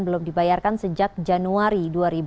belum dibayarkan sejak januari dua ribu delapan belas